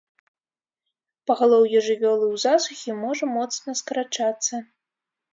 Пагалоўе жывёлы ў засухі можа моцна скарачацца.